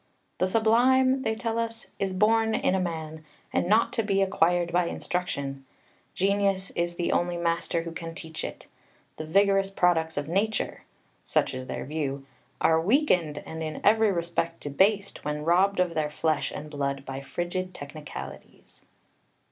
"The Sublime," they tell us, "is born in a man, and not to be acquired by instruction; genius is the only master who can teach it. The vigorous products of nature" (such is their view) "are weakened and in every respect debased, when robbed of their flesh and blood by frigid technicalities."